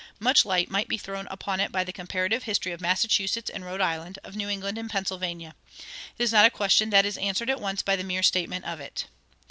Much light might be thrown upon it by the comparative history of Massachusetts and Rhode Island, of New England and Pennsylvania. It is not a question that is answered at once by the mere statement of it.